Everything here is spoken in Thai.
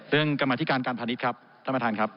เรื่องกรรมธิการการพนิษฐ์ครับท่านประธานครับ